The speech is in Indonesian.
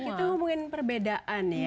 kita ngomongin perbedaan ya